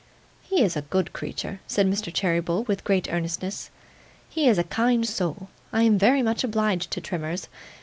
'He is a good creature,' said Mr. Cheeryble, with great earnestness. 'He is a kind soul. I am very much obliged to Trimmers.